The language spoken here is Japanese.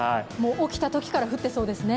起きたときから降っていそうですね。